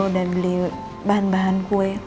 dan beli bahan bahan kue